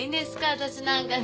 私なんかで。